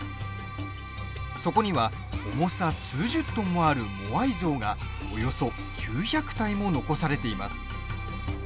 そこには、重さ数十トンもあるモアイ像がおよそ９００体も残されています。